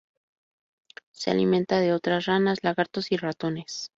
Se alimenta de otras ranas, lagartos y ratones.